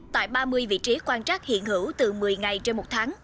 tại ba mươi vị trí quan trắc hiện hữu từ một mươi ngày trên một tháng